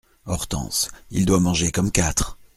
Hortense Il doit manger comme quatre.